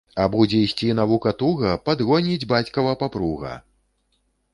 А будзе йсці навука туга, падгоніць бацькава паруга!